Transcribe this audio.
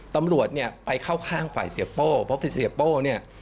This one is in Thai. ตำรวจเนี่ยไปเข้าข้างฝ่ายเสียโป้เพราะคือเสียโป้เนี่ย